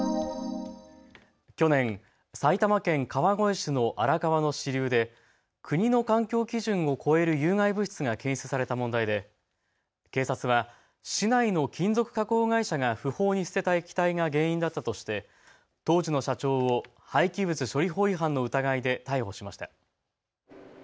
去年、埼玉県川越市の荒川の支流で国の環境基準を超える有害物質が検出された問題で警察は市内の金属加工会社が不法に捨てた液体が原因だったとして当時の社長を廃棄物処理法違反の疑いで逮捕しました。